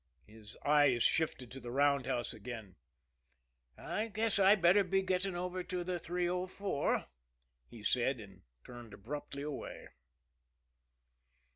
His eyes shifted to the roundhouse again. "I guess I'd better be getting over to the 304," he said and turned abruptly away.